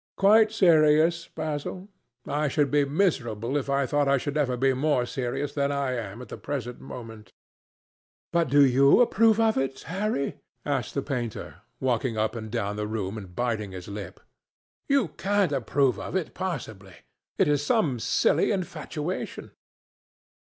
"Quite serious, Basil. I should be miserable if I thought I should ever be more serious than I am at the present moment." "But do you approve of it, Harry?" asked the painter, walking up and down the room and biting his lip. "You can't approve of it, possibly. It is some silly infatuation."